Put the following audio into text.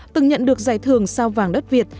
từng nhận được giải thưởng sao vàng đất việt